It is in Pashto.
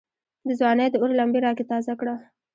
دځوانۍ داور لمبي را کې تازه کړه